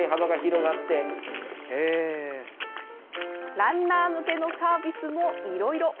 ランナー向けのサービスもいろいろ。